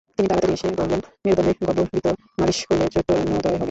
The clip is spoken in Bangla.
তিনি তাড়াতা়ড়ি এসে বললেন, মেরুদণ্ডে গব্যঘৃত মালিশ করলে চৈতন্যোদয় হবে।